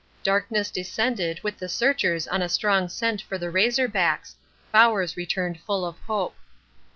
Darkness descended with the searchers on a strong scent for the Razor Backs: Bowers returned full of hope.